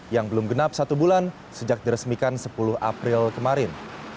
yang belum genap satu bulan sejak diresmikan sepuluh april kemarin